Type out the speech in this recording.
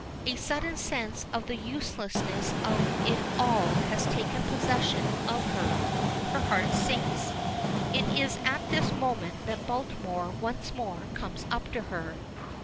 A sudden sense of the uselessness of it all has taken possession of her; her heart sinks. It is at this moment that Baltimore once more comes up to her.